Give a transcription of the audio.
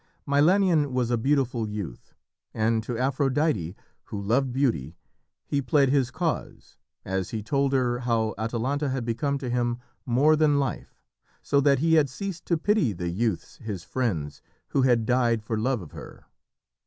Milanion was a beautiful youth, and to Aphrodite, who loved beauty, he pled his cause as he told her how Atalanta had become to him more than life, so that he had ceased to pity the youths, his friends, who had died for love of her.